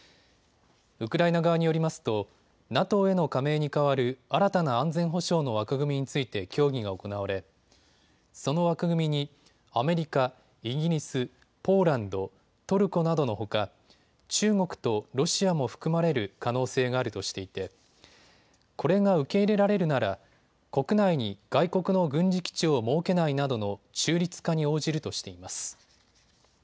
ウクライナ側によりますとＮＡＴＯへの加盟に代わる新たな安全保障の枠組みについて協議が行われその枠組みにアメリカ、イギリス、ポーランド、トルコなどのほか中国とロシアも含まれる可能性があるとしていてこれが受け入れられるなら国内に外国の軍事基地を設けないなどの中立化に応じるとしています。